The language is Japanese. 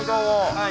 はい。